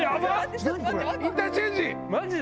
インターチェンジ。